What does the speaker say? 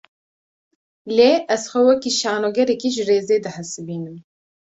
Lê, ez xwe wekî şanogerekî ji rêzê dihesibînim